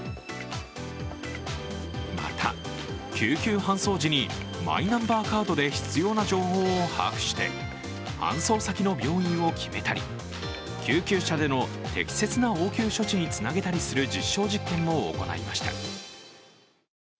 また、救急搬送時にマイナンバーカードで必要な情報を把握して搬送先の病院を決めたり、救急車での適切な応急処置につなげたりする実証実験も行いました。